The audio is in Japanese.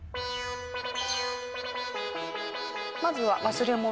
まずは忘れ物。